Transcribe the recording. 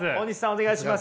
お願いします。